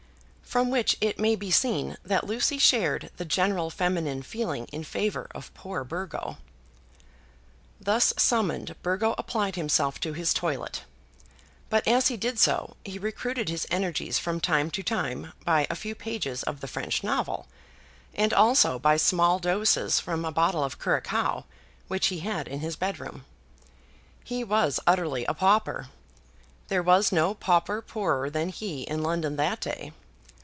From which it may be seen that Lucy shared the general feminine feeling in favour of poor Burgo. Thus summoned Burgo applied himself to his toilet; but as he did so, he recruited his energies from time to time by a few pages of the French novel, and also by small doses from a bottle of curaçoa which he had in his bedroom. He was utterly a pauper. There was no pauper poorer than he in London that day.